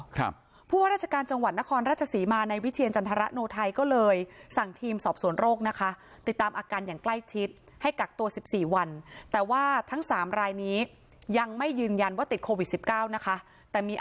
เพราะว่าราชการจังหวัดนครราชสีมาในวิทยาลัยจันทรณะโนไทย